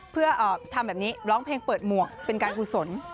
เพื่อทำแบบนี้ร้องเพลงเปิดหมวกเป็นการกุศล